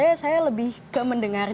nah bagi saya saya lebih ke mendengar